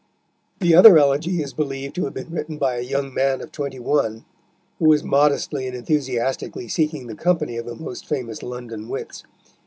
The other elegy is believed to have been written by a young man of twenty one, who was modestly and enthusiastically seeking the company of the most famous London wits.